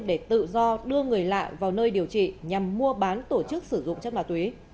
để tự do đưa người lạ vào nơi điều trị nhằm mua bán tổ chức sử dụng chất ma túy